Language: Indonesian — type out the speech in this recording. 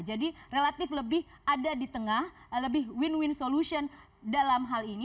jadi relatif lebih ada di tengah lebih win win solution dalam hal ini